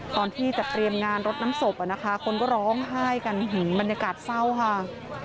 ตอนที่จัดเตรียมงานรดน้ำศพนะคะคนก็ร้องไห้กันบรรยากาศเศร้าค่ะ